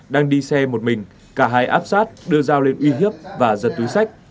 đang đi xe một mình cả hai áp sát đưa dao lên uy hiếp và giật túi sách